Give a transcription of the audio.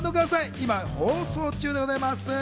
今放送中でございます。